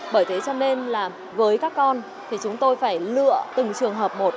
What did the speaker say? bởi thế cho nên là với các con thì chúng tôi phải lựa từng trường hợp một